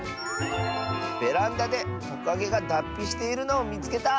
「ベランダでトカゲがだっぴしているのをみつけた！」。